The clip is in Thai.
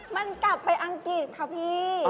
มันกลับไปอังกฤษค่ะพี่